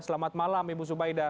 selamat malam ibu subaidah